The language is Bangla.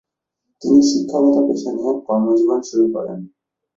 তিনি শিক্ষকতা পেশা নিয়ে কর্মজীবন শুরু করেন।